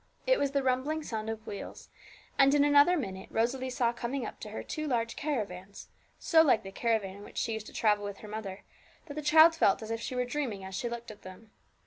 It was the rumbling sound of wheels, and in another minute Rosalie saw coming up to her two large caravans, so [Illustration: A REST BY THE WAYSIDE.] [Blank Page] like the caravan in which she used to travel with her mother, that the child felt as if she were dreaming as she looked at them.